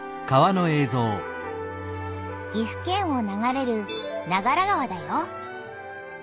岐阜県を流れる長良川だよ。